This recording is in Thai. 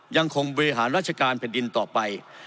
ยังคงเวหาราชการแผ่นดินต่อไป